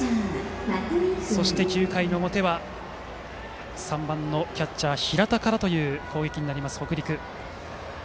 そして９回表は３番キャッチャー、平田からの攻撃になる北陸。